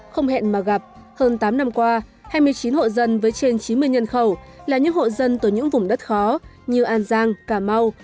không hẹn mà gặp hơn tám năm qua hai mươi chín hộ dân với trên chín mươi nhân khẩu là những hộ dân từ những vùng đất khó như an giang cà mau